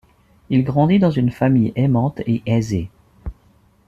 Il grandit dans une famille aimante et aisée.